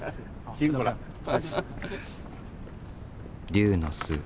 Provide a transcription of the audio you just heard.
龍の巣